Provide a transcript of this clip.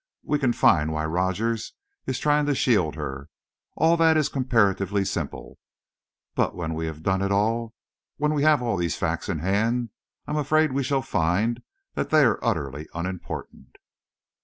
We can find why Rogers is trying to shield her. All that is comparatively simple. But when we have done it all, when we have all these facts in hand, I am afraid we shall find that they are utterly unimportant."